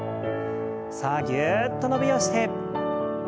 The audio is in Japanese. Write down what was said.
さあぎゅっと伸びをして。